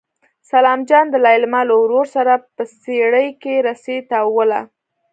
سلام جان د لېلما له ورور سره په څېړۍ کې رسۍ تاووله.